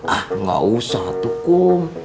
ah gak usah atukum